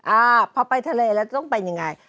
อ่าพอไปทะเลแล้วต้องเป็นยังไง